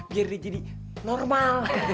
biar dia jadi normal